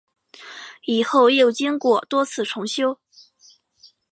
以后又经过多次重修。